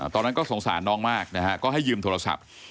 ตอนนั้นก็สงสารน้องมากนะฮะก็ให้ยืมโทรศัพท์